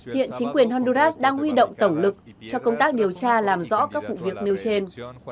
hiện chính quyền honduras đang huy động tổng lực cho công tác điều tra làm rõ các vụ việc nêu trên